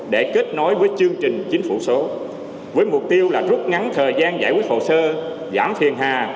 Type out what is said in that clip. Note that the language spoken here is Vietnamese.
để kết nối với chương trình chính phủ số với mục tiêu là rút ngắn thời gian giải quyết hồ sơ giảm phiền hà